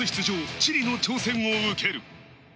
チリの挑戦を受ける。